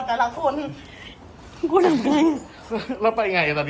มึงมึงเดินหน้าลดกลันทางหัวตัวแต่ละคน